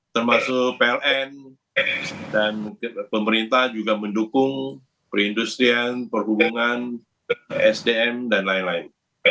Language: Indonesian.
termasuk pln dan pemerintah juga mendukung perindustrian perhubungan sdm dan lain lain